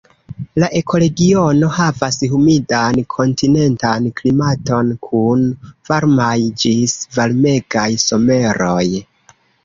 La ekoregiono havas humidan kontinentan klimaton kun varmaj ĝis varmegaj someroj.